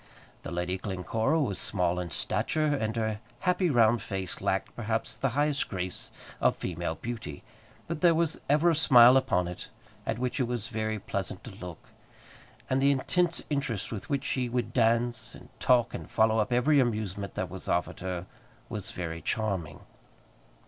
The Lady Glencora was small in stature, and her happy round face lacked, perhaps, the highest grace of female beauty. But there was ever a smile upon it, at which it was very pleasant to look; and the intense interest with which she would dance, and talk, and follow up every amusement that was offered her, was very charming.